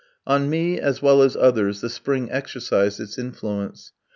On me, as well as others, the spring exercised its influence.